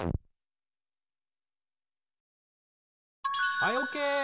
はいオーケー！